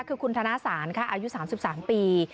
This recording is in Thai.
คือคุณธนสารค่ะอายุ๓๓ปี